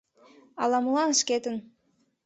Ала-молан шкетын.